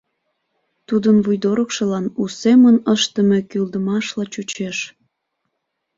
Тудын вуйдорыкшылан у семын ыштыме кӱлдымашла чучеш.